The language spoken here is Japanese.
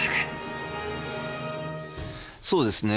そうですね。